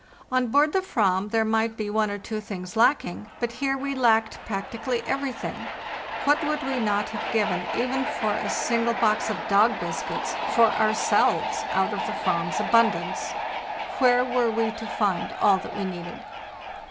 On board the /ranz there might be one or two things lacking; but here we lacked practically everything. What would we not have given even for a single box of dog biscuits—for out of the Aram's abundance? Where were ourselves we to find all that we needed?